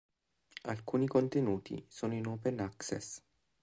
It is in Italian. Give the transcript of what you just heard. Alcuni contenuti sono in open access.